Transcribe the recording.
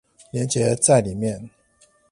連結在裡面